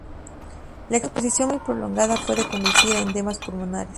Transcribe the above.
La exposición muy prolongada puede conducir a edemas pulmonares.